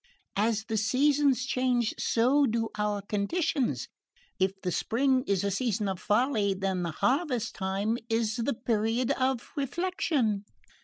As the seasons change so do our conditions: if the spring is a season of folly, then is the harvest time the period for reflection.